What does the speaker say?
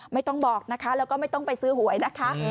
ไม่ต้องบอกนะคะแล้วก็ไม่ต้องไปซื้อหวยนะคะ